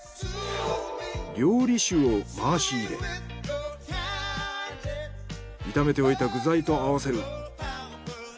料理酒を回し入れ炒めておいた具材と合わせる。